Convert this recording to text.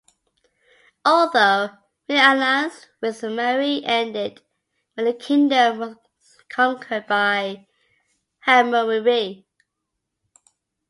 Although any alliance with Mari ended when the kingdom was conquered by Hammurabi.